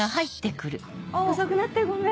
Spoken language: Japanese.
遅くなってごめん。